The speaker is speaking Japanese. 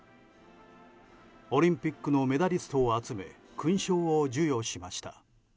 オリンピックのメダリストを集め勲章を授与しました。